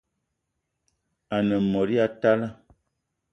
A-ne mot ya talla